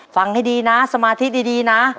ฟังให้ดีนะสมาธิดีนะ